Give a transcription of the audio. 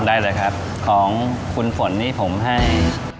ได้เลยครับของคุณฝนนี่ผมให้